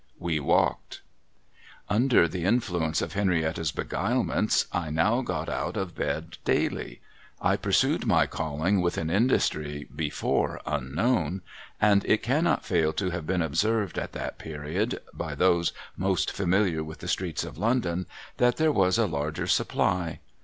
We walked. Under the influence of Henrietta's beguilements, I now got out of bed daily. I pursued my calling with an industry before unknown, and it cannot fail to have been observed at that period, by those most familiar with the streets of London, that there was a larger supply.